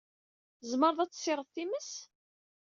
Tzemred ad d-tessiɣed times?